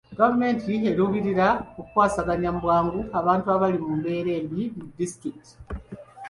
Gavumenti eruubirira kukwasaganya mu bwangu bantu abali mu mbeera embi mu disitulikiti.